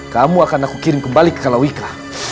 kamu akan aku kirim kembali ke kalawika